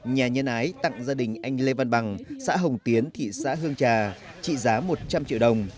nhà nhân ái tặng gia đình anh lê văn bằng xã hồng tiến thị xã hương trà trị giá một trăm linh triệu đồng